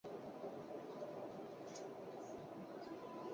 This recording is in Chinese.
因他在代数的工作和他编写的多本教科书而闻名。